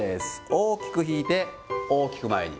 大きく引いて、大きく前に。